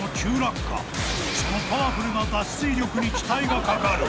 ［そのパワフルな脱水力に期待がかかる］